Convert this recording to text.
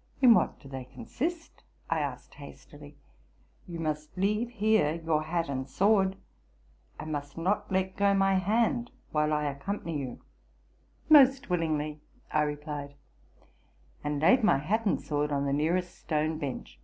''—'' In what do they consist? "' Tasked hastily. '* You must leave here your hat and sword, and must not let go my hand while I accompany you.''? —'* Most willingly,'' I replied; and laid my hat and sword on | the nearest stone bench.